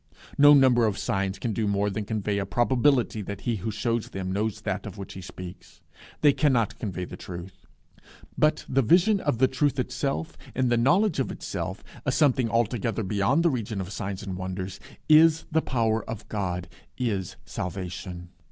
No number of signs can do more than convey a probability that he who shews them knows that of which he speaks. They cannot convey the truth. But the vision of the truth itself, in the knowledge of itself, a something altogether beyond the region of signs and wonders, is the power of God, is salvation.